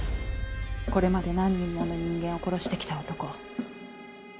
これまで何人もの人間を殺して来た男。